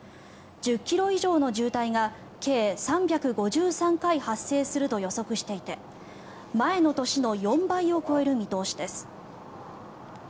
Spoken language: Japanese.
１０ｋｍ以上の渋滞が計３５３回発生すると予測していて前の年の４倍を超える見通しです。